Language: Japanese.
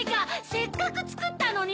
せっかくつくったのに！